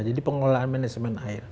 jadi pengelolaan manajemen air